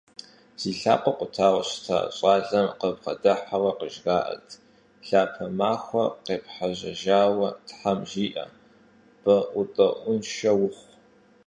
Зи лъакъуэр къутауэ щыта щӀалэм къыбгъэдыхьэурэ къыжраӏэрт: «Лъапэ махуэ къепхьэжьэжауэ тхьэм жиӀэ. БэӀутӀэӀуншэ ухъу».